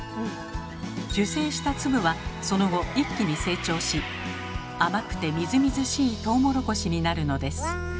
受精した粒はその後一気に成長し甘くてみずみずしいトウモロコシになるのです。